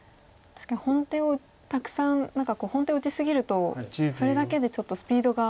確かに本手をたくさん何か本手を打ち過ぎるとそれだけでちょっとスピードが。